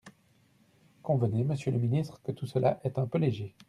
Convenez, monsieur le ministre, que tout cela est un peu léger.